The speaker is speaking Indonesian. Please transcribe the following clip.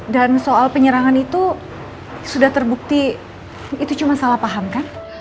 soal penyerangan itu sudah terbukti itu cuma salah paham kan